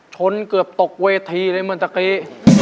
ชนเกือบตกเวทีเลยเมื่อเมื่อกี้